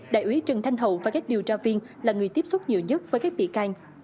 đại úy trần thanh hậu và các điều tra viên là người tiếp xúc nhiều nhất với các bị can